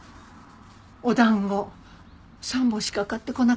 お団子３本しか買ってこなかったのよ。